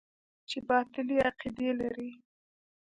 چې باطلې عقيدې لري.